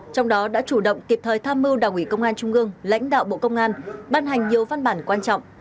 trong đó đã chủ động kịp thời tham mưu đảng ủy công an trung ương lãnh đạo bộ công an ban hành nhiều văn bản quan trọng